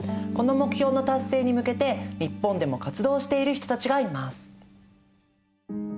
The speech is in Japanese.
この目標の達成に向けて日本でも活動している人たちがいます。